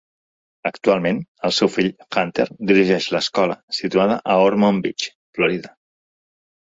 Actualment, el seu fill Hunter dirigeix l'escola, situada a Ormond Beach, Florida.